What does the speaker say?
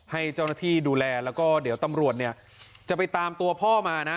ให้เจ้าหน้าที่ดูแลแล้วก็เดี๋ยวตำรวจเนี่ยจะไปตามตัวพ่อมานะ